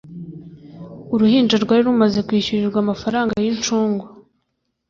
Uruhinja rwari rumaze kwishyurirwa amafaranga y'incungu